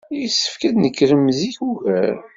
Yessefk ad d-tnekrem zik ugar.